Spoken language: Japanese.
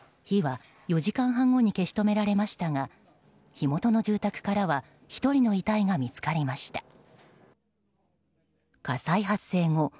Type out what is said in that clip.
火は４時間半後に消し止められましたが火元の住宅からは１人の遺体が見つかりました。